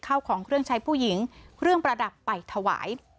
เข้าของเครื่องใช้ผู้หญิงเครื่องประดับไปถวาย